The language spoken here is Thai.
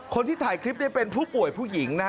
คนที่ถ่ายคลิปนี้เป็นผู้ป่วยผู้หญิงนะฮะ